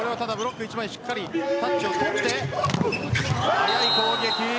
速い攻撃。